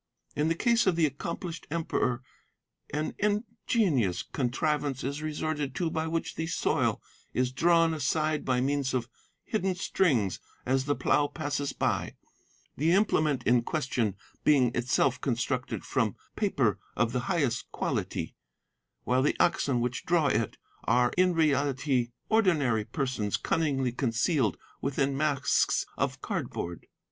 In the case of the accomplished Emperor an ingenious contrivance is resorted to by which the soil is drawn aside by means of hidden strings as the plough passes by, the implement in question being itself constructed from paper of the highest quality, while the oxen which draw it are, in reality, ordinary persons cunningly concealed within masks of cardboard.